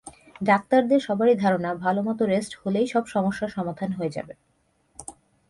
ডাক্তারদের সবারই ধারণা, ভালোমতো রেষ্ট হলেই সব সমস্যার সমাধান হয়ে যাবে।